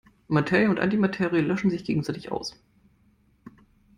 Materie und Antimaterie löschen sich gegenseitig aus.